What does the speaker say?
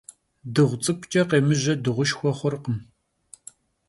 Dığu ts'ık'uç'e khêmıje dığuşşxue xhurkhım.